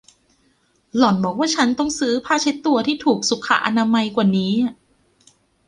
หล่อนบอกว่าฉันต้องซื้อผ้าเช็ดตัวที่ถูกสุขอนามัยกว่านี้